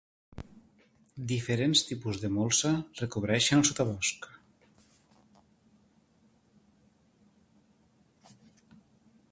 Diferents tipus de molsa recobreixen el sotabosc.